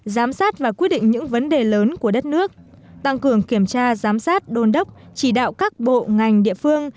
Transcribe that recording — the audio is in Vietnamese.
giám sát và quyết định những vấn đề lớn của đất nước tăng cường kiểm tra giám sát đôn đốc chỉ đạo các bộ ngành địa phương